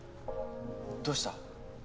どうした？